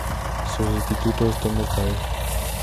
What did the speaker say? Su sustituto es Thomas Dahl.